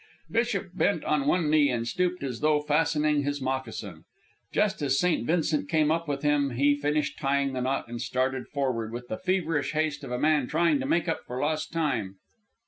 Bishop bent on one knee and stooped as though fastening his moccasin. Just as St. Vincent came up with him he finished tying the knot, and started forward with the feverish haste of a man trying to make up for lost time.